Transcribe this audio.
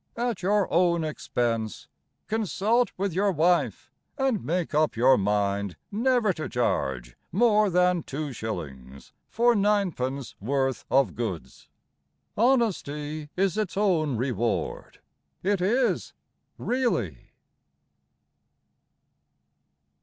At your own expense, Consult with your wife, And make up your mind Never to charge More than 2s. For 9d. worth of goods. Honesty is its own reward It is really.